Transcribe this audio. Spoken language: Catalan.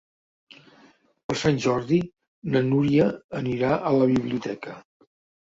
Per Sant Jordi na Núria anirà a la biblioteca.